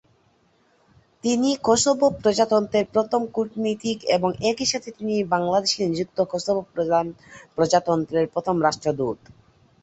তিনি কসোভো প্রজাতন্ত্রের প্রথম কূটনীতিক এবং একই সাথে তিনি বাংলাদেশে নিযুক্ত কসোভো প্রজাতন্ত্রের প্রথম রাষ্ট্রদূত।